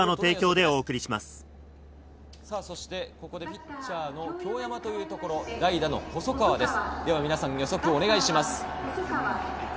ここで、ピッチャーの京山というところ代打の細川です。